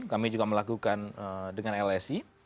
kami juga melakukan dengan lsi